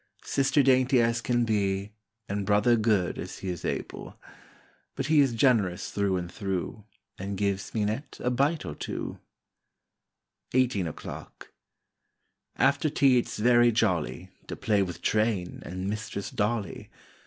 Sister dainty as can be, And Brother good as he is able. But he is generous through and through, And gives Minette a bite or two. 45 SEVENTEEN O'CLOCK 47 EIGHTEEN O'CLOCK 4ETER tea it's very jolly lTL To play with train and Mistress Dolly.